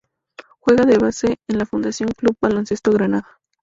Juega de base en la Fundación Club Baloncesto Granada.